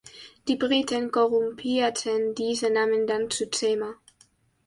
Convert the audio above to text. Die Briten korrumpierten diesen Namen dann zu „Tema“.